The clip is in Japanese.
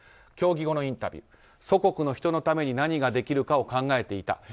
競技後のインタビュー祖国の人のために何ができるか考えていた。